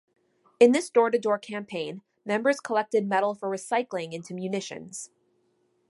In this door to door campaign, members collected metal for recycling into munitions.